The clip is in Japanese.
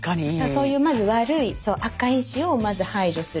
そういうまず悪い悪化因子をまず排除する。